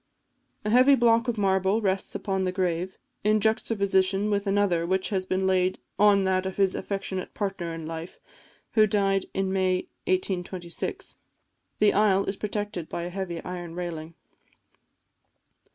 A heavy block of marble rests upon the grave, in juxtaposition with another which has been laid on that of his affectionate partner in life, who died in May 1826. The aisle is protected by a heavy iron railing.